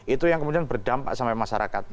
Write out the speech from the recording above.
itu yang kemudian berdampak sampai masyarakat